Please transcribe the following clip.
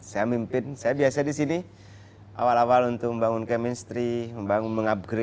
saya mimpin saya biasa di sini awal awal untuk membangun chemistry membangun mengupgrade